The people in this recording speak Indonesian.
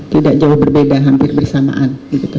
tidak jauh berbeda hampir bersamaan